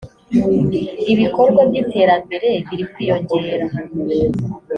ibikorwa by’ iterambere birikwiyongera .